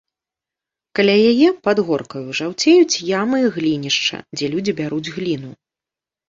Каля яе, пад горкаю, жаўцеюць ямы глінішча, дзе людзі бяруць гліну.